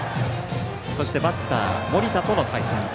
そしてバッター、森田との対戦。